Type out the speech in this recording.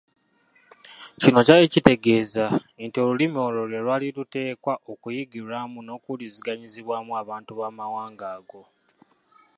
Kino kyali kitegeeza nti olulimi olwo lwe lwali luteekwa okuyigirwamu n’okuwuliziganyizibwamu abantu b’Amawanga ago.